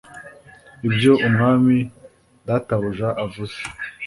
Ibyo umwami databuja avuze